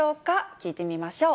聞いてみましょう。